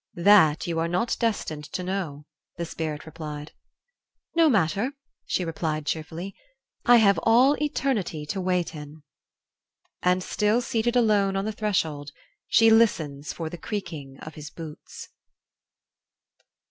"That you are not destined to know," the Spirit replied. "No matter," she said, cheerfully; "I have all eternity to wait in." And still seated alone on the threshold, she listens for the creaking of his boots.